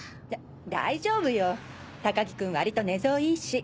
大丈夫よ高木君割と寝相いいし。